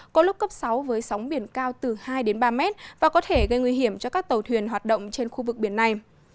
có lúc cấp sáu với sóng biển cao từ hai đến ba mét và có thể gây nguy hiểm cho các tàu thuyền hoạt động trên khu vực biển này